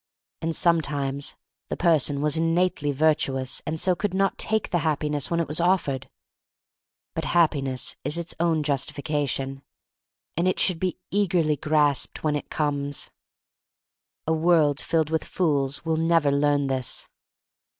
And sometimes the person was innately virtuous and so could not take the Hap piness when it was offered. But Hap piness is its own justification, and it should be eagerly grasped when it comes. A world filled with fools will never learn this.